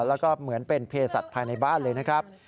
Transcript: แล้วก็เหมือนเป็นเพศสัตว์ภายในบ้านเลยนะครับ